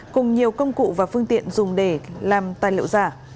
cùng nhiều công cụ và phương tiện dùng để làm tài liệu giả